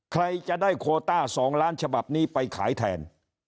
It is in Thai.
ใครจะได้โคต้า๒ล้านฉบับนี้ไปขายแทน